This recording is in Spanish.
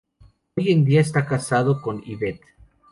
Hoy en día está casado con Yvette.